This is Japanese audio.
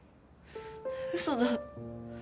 嘘だ。